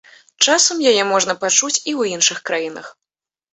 Часам яе можна пачуць і ў іншых краінах.